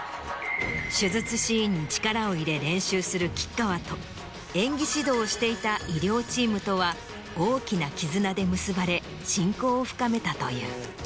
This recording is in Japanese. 手術シーンに力を入れ練習する吉川と演技指導をしていた医療チームとは大きな絆で結ばれ親交を深めたという。